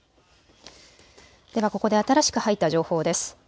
では、ここで新しく入った情報です。